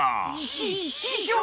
しししょう！